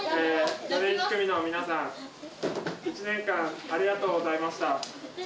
４年１組の皆さん、１年間ありがとうございました。